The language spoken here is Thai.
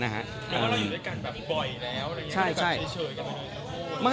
นึกว่าเราอยู่ด้วยกันแบบบ่อยแล้วหรืออยู่ด้วยกันเฉยกันบ่อย